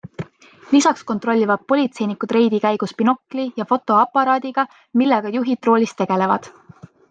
Lisaks kontrollivad politseinikud reidi käigus binokli ja fotoaparaadiga, millega juhid roolis tegelevad.